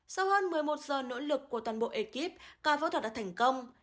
sau hơn một mươi một giờ nỗ lực của toàn bộ ekip ca phẫu thuật đã thành công